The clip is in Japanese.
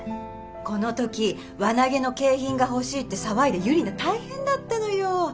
この時輪投げの景品が欲しいって騒いでユリナ大変だったのよ。